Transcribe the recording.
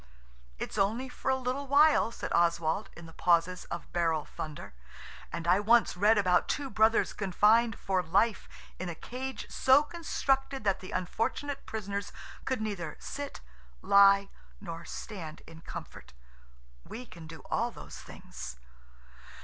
"It's only for a little while," said Oswald in the pauses of the barrel thunder, "and I once read about two brothers confined for life in a cage so constructed that the unfortunate prisoners could neither sit, lie, nor stand in comfort. We can do all those things."